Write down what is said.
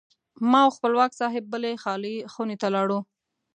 ما او خپلواک صاحب بلې خالي خونې ته لاړو.